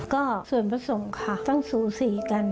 ก็ส่วนพระสงฆ์ค่ะต้องสูสีกัน